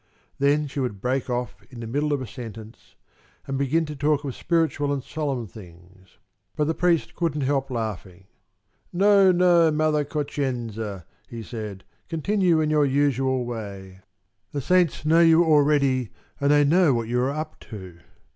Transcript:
Then she would break off in the middle of a sentence and begin to talk of spiritual and solemn things, but the priest couldn't help laughing. "No, no, mother Concenza!" he said, "continue in your usual way. The saints know you already, and they know what you are up to."